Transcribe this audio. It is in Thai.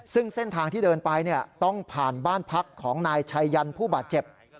ซึ่งเส้นทางที่เดินไปต้องผ่านบ้านพักของนายชัยยันผู้บาดเจ็บ